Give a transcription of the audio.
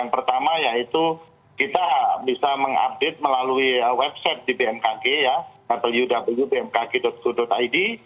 pertama yaitu kita bisa mengupdate melalui website di bmkg www bmkg co id